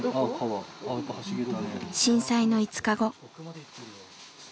震災の５日後。